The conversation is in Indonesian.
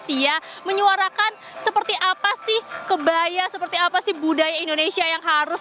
sia menyuarakan seperti apa sih kebaya seperti apa sih budaya indonesia yang harus